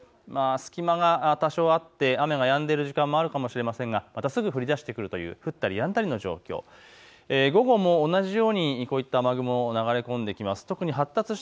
隙間が多少あって雨がやんでいる時間もあるかもしれませんがまたすぐ降りだしてくるという降ったりやんだりの状況、午後も同じようにこういった雨雲、流れ込んできます。